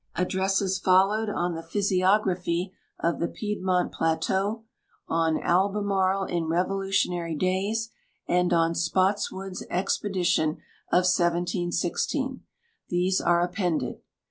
Addresses followed on the " Physiography of tlie Piedmont Plateau," on Albemarle in Revolutionary Days," and on " Spottswood's Expedition of 1716;" these are appended.